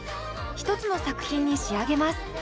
一つの作品に仕上げます。